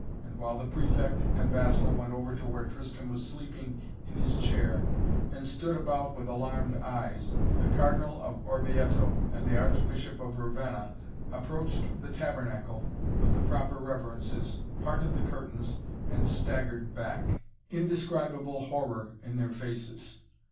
And while the Prefect and Basil went over to where Tristan was sleeping in his chair, and stood about with alarmed eyes, the Cardinal of Orvieto and the Archbishop of Ravenna approached the tabernacle with the proper reverences, parted the curtains and staggered back, indescribable horror in their faces.